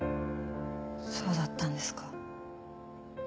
そうだったんですか。